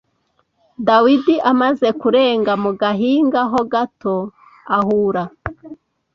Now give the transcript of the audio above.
Dawidi amaze kurenga mu gahinga ho gato ahura